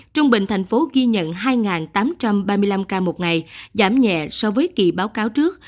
trung bình thành phố ghi nhận hai tám trăm ba mươi năm ca một ngày giảm nhẹ so với kỳ báo cáo trước